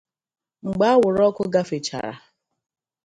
Mgbe anwụrụ ọkụ gafechara